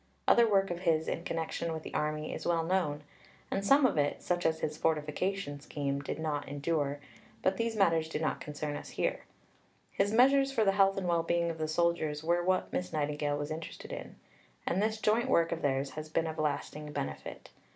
Other work of his in connection with the Army is well known; and some of it such as his Fortification Scheme did not endure, but these matters do not concern us here. His measures for the health and well being of the soldiers were what Miss Nightingale was interested in; and this joint work of theirs has been of lasting benefit.